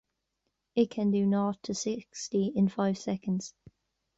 It can do nought to sixty in five seconds.